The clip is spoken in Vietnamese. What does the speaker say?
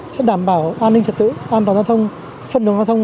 sẽ đảm bảo an ninh trật tự an toàn giao thông phận đường giao thông